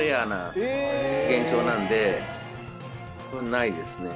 ないですね。